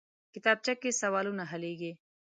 کتابچه کې سوالونه حلېږي